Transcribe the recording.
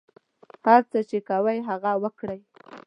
هر څه چې کوئ هغه وکړئ.